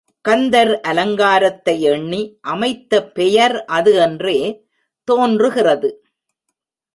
கந்தர் அலங்காரத்தை எண்ணி அமைத்த பெயர் அது என்றே தோன்றுகிறது.